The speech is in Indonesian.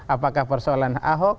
apakah persoalan ahok